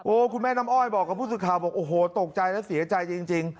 คุณแม่น้ำอ้อยบอกกับผู้สื่อข่าวบอกโอ้โหตกใจและเสียใจจริง